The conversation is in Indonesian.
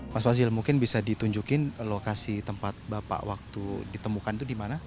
mas fazil mungkin bisa ditunjukin lokasi tempat bapak waktu ditemukan itu di mana